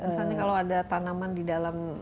misalnya kalau ada tanaman di dalam